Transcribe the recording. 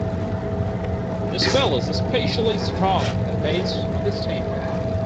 The smell is especially strong at the base of the stem.